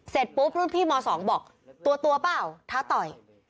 เสร็จปุ๊บรุ่นพี่ม๒บอกตัวเปล่าท้าต่อย